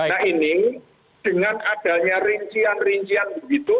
nah ini dengan adanya rincian rincian begitu